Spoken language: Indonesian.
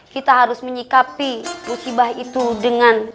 kita harus menyikapi musibah itu dengan